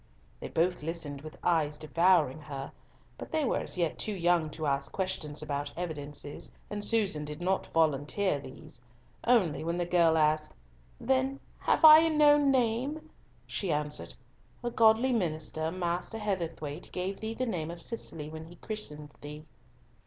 They both listened with eyes devouring her, but they were as yet too young to ask questions about evidences, and Susan did not volunteer these, only when the girl asked, "Then, have I no name?" she answered, "A godly minister, Master Heatherthwayte, gave thee the name of Cicely when he christened thee."